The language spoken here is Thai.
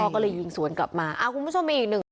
ก็เลยยิงสวนกลับมาคุณผู้ชมมีอีกหนึ่ง